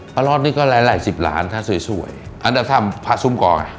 พระรอศนี่ก็หลาย๑๐ล้านถ้าสวยอันดับ๓พระสุมกร